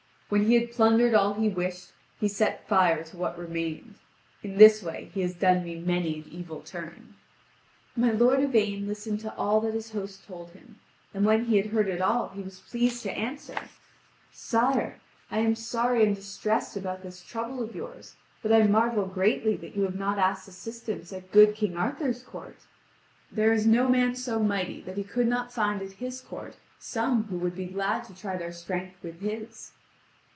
When he had plundered all he wished, he set fire to what remained. In this way he has done me many an evil turn." (Vv. 3899 3956.) My lord Yvain listened to all that his host told him, and when he had heard it all he was pleased to answer him: "Sire, I am sorry and distressed about this trouble of yours; but I marvel greatly that you have not asked assistance at good King Arthur's court. There is no man so mighty that he could not find at his court some who would be glad to try their strength with his."